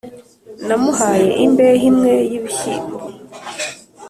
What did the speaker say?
namuhaye imbehe imwe y’ibishyimbo